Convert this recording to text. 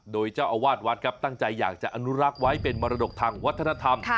โดยเจ้าอาวาสวัดครับตั้งใจอยากจะอนุรักษ์ไว้เป็นมรดกทางวัฒนธรรม